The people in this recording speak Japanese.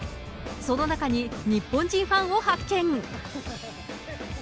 その中に日本人ファンを発見。